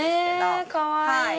かわいい！